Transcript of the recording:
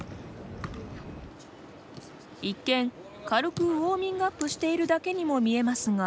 一見軽くウオーミングアップしているだけにも見えますが。